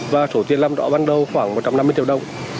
và số tiền làm đó ban đầu khoảng một trăm năm mươi triệu đồng